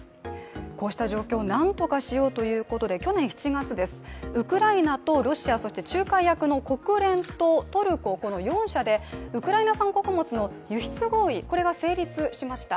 こうした状況をなんとかしようということで去年７月です、ウクライナとロシア、そして仲介役の国連とトルコ４者でウクライナ産穀物の輸出合意が成立しました。